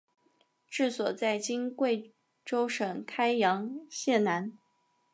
治所在今贵州省开阳县南。